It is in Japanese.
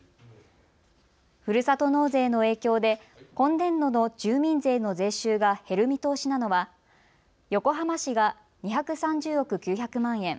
ふるさと納税の影響で今年度の住民税の税収が減る見通しなのは横浜市が２３０億９００万円。